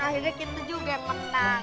akhirnya kita juga menang